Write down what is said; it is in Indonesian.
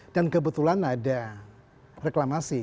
dan kebetulan ada reklamasi